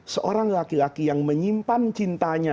seorang laki laki yang menyimpan cintanya